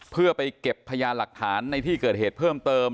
เพื่อไปเก็บพยานหลักฐานในที่เกิดเหตุเพิ่มเติม